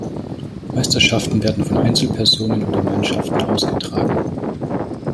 Meisterschaften werden von Einzelpersonen oder Mannschaften ausgetragen.